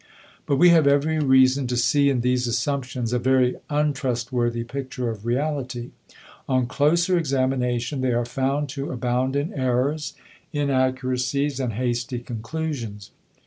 But we have every reason to see in these assumptions a very untrustworthy picture of reality. On closer examination they are found to abound in errors, inaccuracies and hasty conclusions.